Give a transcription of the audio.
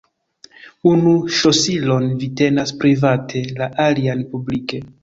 Unu ŝlosilon vi tenas private, la alian publike.